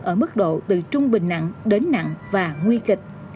ở mức độ từ trung bình nặng đến nặng và nguy kịch